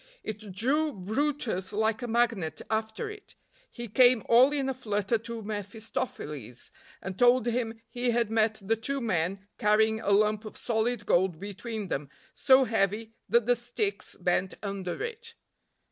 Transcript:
It drew brutus like a magnet after it. He came all in a flutter to mephistopheles, and told him he had met the two men carrying a lump of solid gold between them so heavy that the sticks bent under it.